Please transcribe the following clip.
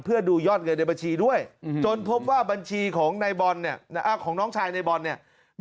เพื่อดูยอดเงินในบัญชีด้วยจนพบว่าบัญชีของนายบอลเนี่ยของน้องชายในบอลเนี่ย